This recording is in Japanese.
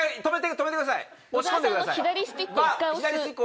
止めてください。